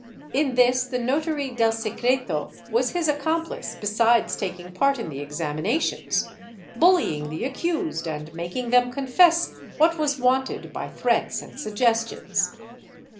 In this the notary del secreto was his accomplice besides taking part in the examinations, bullying the accused and making them confess what was wanted by threats and suggestions.